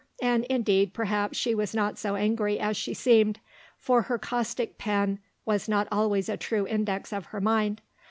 And, indeed, perhaps she was not so angry as she seemed, for her caustic pen was not always a true index of her mind.